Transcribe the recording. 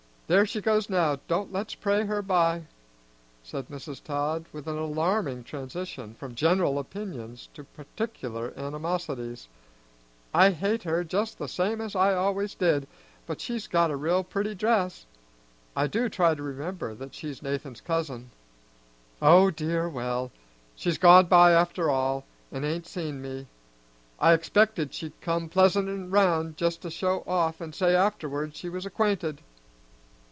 There she goes now, do let's pray her by!" said Mrs. Todd, with an alarming transition from general opinions to particular animosities. "I hate her just the same as I always did; but she's got on a real pretty dress. I do try to remember that she's Nathan's cousin. Oh dear, well; she's gone by after all, an' ain't seen me. I expected she'd come pleasantin' round just to show off an' say afterwards she was acquainted."